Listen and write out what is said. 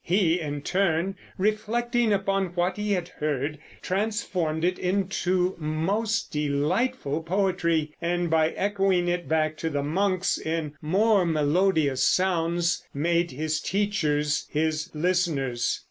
He in turn, reflecting upon what he had heard, transformed it into most delightful poetry, and by echoing it back to the monks in more melodious sounds made his teachers his listeners.